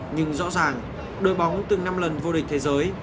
nhưng rõ ràng đội bóng từng năm lần vô địch thế giới